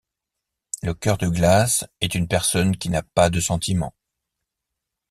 Le cœur de glace est une personne qui n'a pas de sentiment.